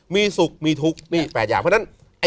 มีสุขมีทุกข์นี่๘อย่างเพราะฉะนั้น